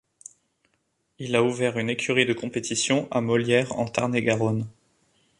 Il a ouvert une écurie de compétition à Molières en Tarn-et-Garonne.